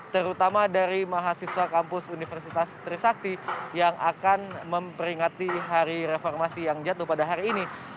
terutama dari mahasiswa kampus universitas trisakti yang akan memperingati hari reformasi yang jatuh pada hari ini